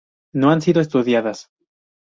No han sido estudiadas.